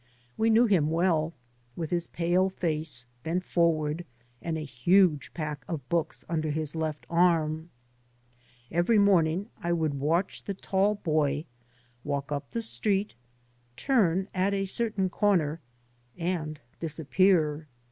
We knew him well, with his pale face, bent forward, and a huge pack of books under his left arm. Every morning I would watch the tall boy walk up the street, turn at a certain corner, and disappear.